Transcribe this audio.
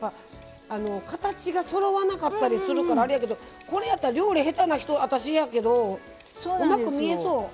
形がそろわなかったりするからあれやけどこれやったら料理、下手な人私やけど、うまく見えそう。